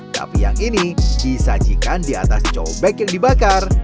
tapi yang ini disajikan di atas cobek yang dibakar